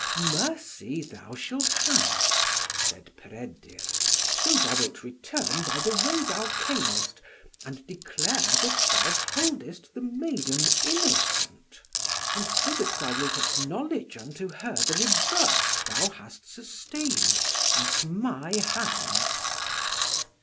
"Mercy thou shalt have," said Peredur, "so thou wilt return by the way thou camest, and declare that thou holdest the maiden innocent, and so that thou wilt acknowledge unto her the reverse thou hast sustained at my hands."